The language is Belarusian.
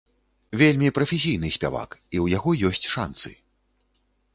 Вельмі прафесійны спявак, і ў яго ёсць шанцы.